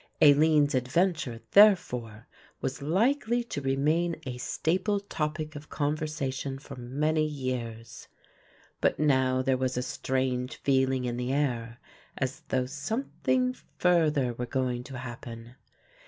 Aline's adventure therefore, was likely to remain a staple topic of conversation for many years. But now there was a strange feeling in the air as though something further were going to happen.